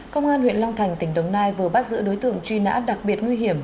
công an huyện long thành tỉnh đồng nai vừa bắt giữ đối tượng truy nã đặc biệt nguy hiểm